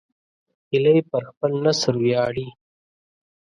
هیلۍ پر خپل نسل ویاړي